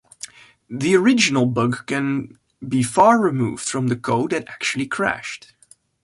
The original bug can be far removed from the code that actually crashed.